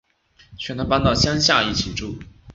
劝他搬到乡下一起住